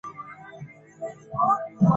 ডিউটিতে দায়িত্বরত অবস্থায় মারা যায়।